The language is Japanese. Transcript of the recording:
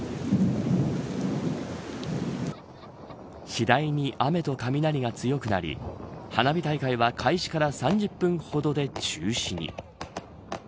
次第に、雨と雷が強くなり花火大会は開始から３０分ほどで中止に。